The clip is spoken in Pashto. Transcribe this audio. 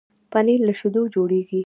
پنېر له شيدو جوړېږي.